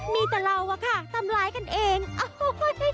มีแต่เราว่ะค่ะทำร้ายกันเองโอ้โฮ